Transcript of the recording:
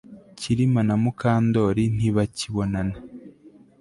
Kirima na Mukandoli ntibakibonana